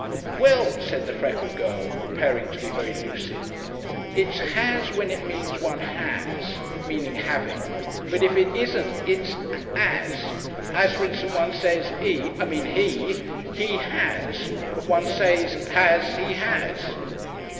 "Well," said the freckled girl, preparing to be very lucid. "It's has when it means one has, meaning having, but if it isn't it's as. As for instance one says 'e I mean he He has. But one says 'as he has.'"